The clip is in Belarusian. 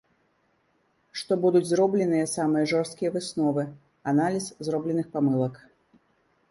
Што будуць зробленыя самыя жорсткія высновы, аналіз зробленых памылак.